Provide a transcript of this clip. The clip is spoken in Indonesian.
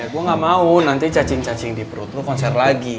gue gak mau nanti cacing cacing di perut lo konser lagi